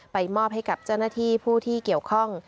มอบให้กับเจ้าหน้าที่ผู้ที่เกี่ยวข้อง